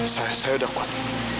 saya udah kuat